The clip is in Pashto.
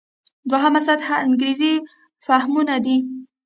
دوهمه سطح انګېرنې فهمونه دي.